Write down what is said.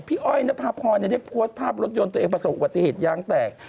อ้อยนภาพรได้โพสต์ภาพรถยนต์ตัวเองประสบอุบัติเหตุยางแตก